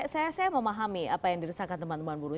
saya mau memahami apa yang dirisakan teman teman buruh